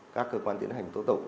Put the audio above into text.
các cơ quan tiến hành tố tụng